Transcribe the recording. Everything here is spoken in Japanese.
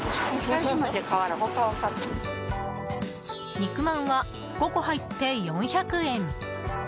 肉まんは５個入って４００円